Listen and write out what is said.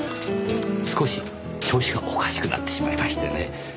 少し調子がおかしくなってしまいましてね。